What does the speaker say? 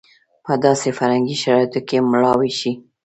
په داسې فرهنګي شرایطو کې مړاوې شي.